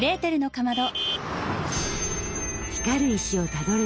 かまど！